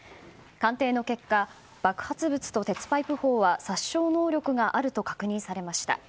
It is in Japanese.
鑑定の結果爆発物と鉄パイプ砲は殺傷能力があると確認されました。